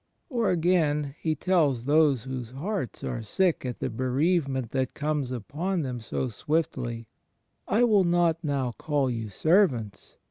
^ Or again, he tells those whose hearts are sick at the bereavement that comes upon them so swiftiy, "I will not now call you servants